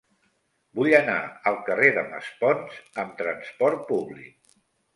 Vull anar al carrer de Maspons amb trasport públic.